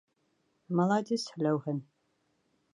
Маладис, һеләүһен!